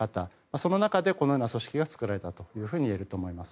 その中でこのような組織が作られたといえると思います。